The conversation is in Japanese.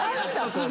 それ。